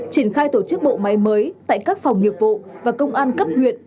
triển khai tổ chức bộ máy mới tại các phòng nghiệp vụ và công an cấp huyện